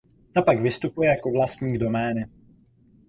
Ta pak vystupuje jako vlastník domény.